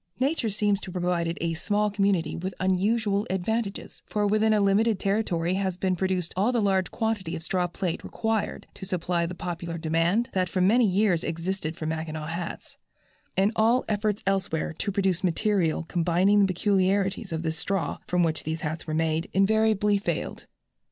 Nature seems to have provided a small community with unusual advantages, for within a limited territory has been produced all the large quantity of straw plait required to supply the popular demand that for many years existed for Mackinaw hats, and all efforts elsewhere to produce material combining the peculiarities of this straw, from which these hats were made, invariably failed.